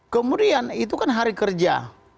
kemudian itu kan hari kerja